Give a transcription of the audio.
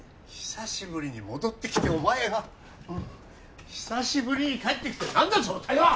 久しぶりに戻ってきてお前は久しぶりに帰ってきて何だその態度は！？